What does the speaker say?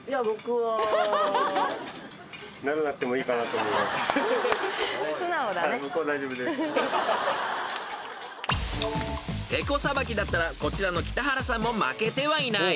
［てこさばきだったらこちらの北原さんも負けてはいない］